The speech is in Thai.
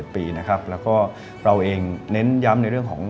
ปีนะครับแล้วก็เราเองเน้นย้ำในเรื่องของ